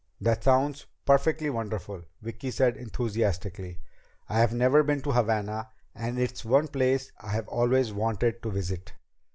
"That sounds perfectly wonderful," Vicki said enthusiastically. "I've never been to Havana and it's one place I've always wanted to visit!"